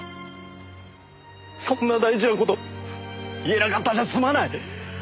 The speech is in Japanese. そんな大事な事言えなかったじゃ済まない！